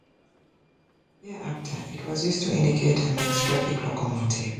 Thereafter, it was used to indicate a mixed traffic locomotive.